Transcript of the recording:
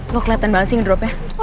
gak keliatan banget sih ngedropnya